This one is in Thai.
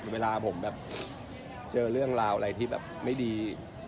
เวลาผมแบบเจอเรื่องราวอะไรที่แบบไม่ดี